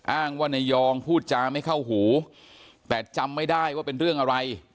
อ้างว่านายองพูดจาไม่เข้าหูแต่จำไม่ได้ว่าเป็นเรื่องอะไร